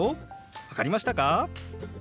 分かりましたか？